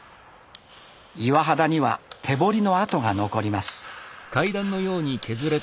岩肌には手彫りの跡が残ります。